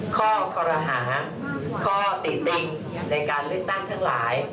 ข้อคอรหาข้อติดติงในการเลือกตั้งทั้งหลาย